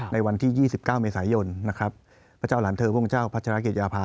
ในวันที่๒๙เมษายนพระเจ้าหลานเธอพ่องเจ้าพระรันต์เกดียภา